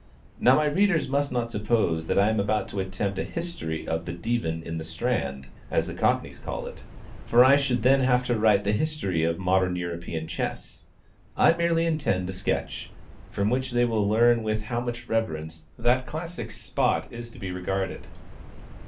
Now my readers must not suppose that I am about to attempt a history of the "Divan in the Strand," as the Cockneys call it; for I should then have to write the history of modern European chess. I merely intend a sketch, from which they will learn with how much reverence that classic spot is to be regarded.